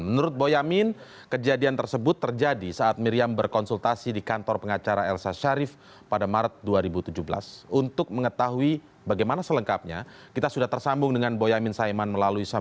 menurut boyamin kejadian tersebut terjadi saat miriam berkonsultasi di kantor pengacara elsa syarif pada maret dua ribu tujuh belas untuk mengetahui bagaimana selengkapnya kita sudah tersambung dengan boyamin saiman melalui saluran